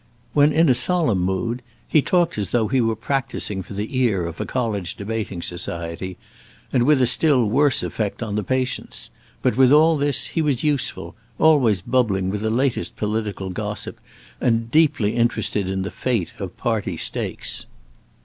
When in a solemn mood, he talked as though he were practising for the ear of a college debating society, and with a still worse effect on the patience; but with all this he was useful, always bubbling with the latest political gossip, and deeply interested in the fate of party stakes.